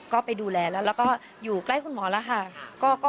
ก็ไปดูแลแล้วแล้วก็อยู่ใกล้คุณหมอแล้วค่ะ